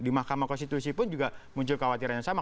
di makam konstitusi pun juga muncul khawatiran yang sama